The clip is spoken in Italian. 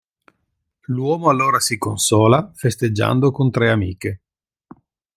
L'uomo allora si consola festeggiando con tre amiche.